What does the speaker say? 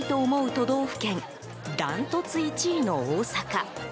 都道府県断トツ１位の大阪。